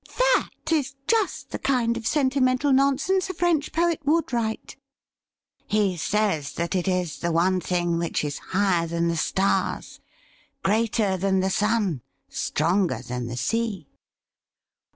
' That is just the kind of sentimental nonsense a French poet would write.' ' He says that it is the one thing which is higher than the stars, greater than the sun, stronger than the sea.'